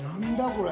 これ。